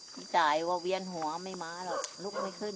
พี่จ่ายว่าเวียนหัวไม่มาหรอกลุกไม่ขึ้น